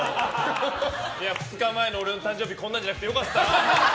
２日前の俺の誕生日こんなんじゃなくて良かった。